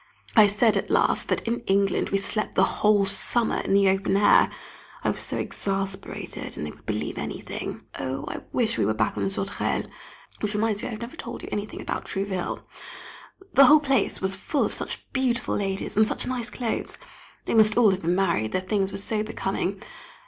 I said at last that in England we slept the whole summer in the open air. I was so exasperated, and they would believe anything. Oh, I wish we were back on the Sauterelle! which reminds me I have never told you anything about Trouville. The whole place was full of such beautiful ladies, and such nice clothes. They must all have been married, their things were so becoming.